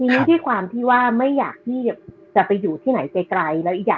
คือเรื่องนี้มันเกิดมาประสบการณ์ของรุ่นนี้มีคนที่เล่าให้พี่ฟังคือชื่อน้องปลานะคะ